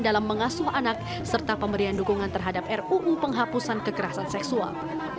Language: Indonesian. dalam mengasuh anak serta pemberian dukungan terhadap ruu penghapusan kekerasan seksual